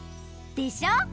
でしょ？